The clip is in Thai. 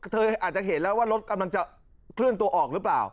เธออาจจะเห็นแล้วว่ารถกำลังจะเคลื่อนตัวออกหรือเปล่า